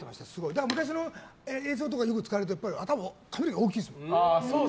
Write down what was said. だから昔の映像とかでよく使われているの髪の毛、大きいですもん。